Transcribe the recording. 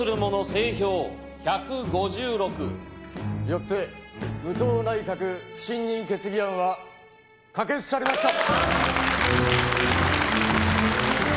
よって武藤内閣不信任決議案は可決されました。